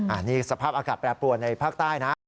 อันนี้สภาพอากาศแปรปรวนในภาคใต้นะ